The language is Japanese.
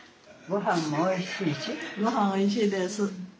ごはんおいしいです。